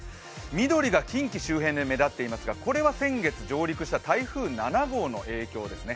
緑が近畿周辺で目立っていますが、これは先月上陸した台風７号の影響ですね。